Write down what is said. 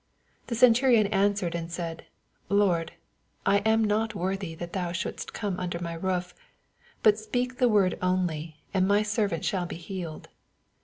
8 The centurion answered and said, Lord, I am not worthy that thou shonldest oome under my roof: but speak the word only, and my servant snail be healed.